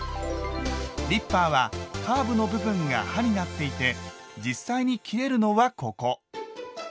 リッパーはカーブの部分が刃になっていて実際に切れるのはココ！